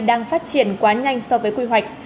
đang phát triển quá nhanh so với quy hoạch